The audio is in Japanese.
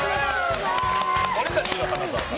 俺たちの花澤さん。